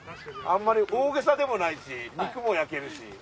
あんまり大げさでもないしも焼けるし。